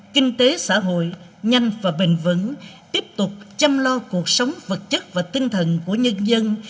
kinh tế xã hội nhanh và bền vững tiếp tục chăm lo cuộc sống vật chất và tinh thần của nhân dân